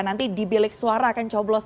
nanti dibelik suara akan coblos